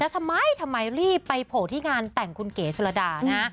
ทำไมทำไมรีบไปโผล่ที่งานแต่งคุณเก๋ชนระดานะฮะ